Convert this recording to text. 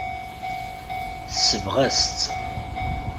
Tesbeɣ-as-tt.